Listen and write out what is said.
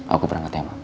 aku berangkat ya ma